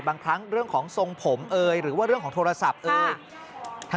บางครั้งเรื่องของทรงผมเอ่ยหรือว่าเรื่องของโทรศัพท์เอ่ย